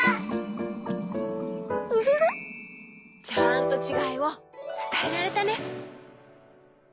ウフフちゃんとちがいをつたえられたね。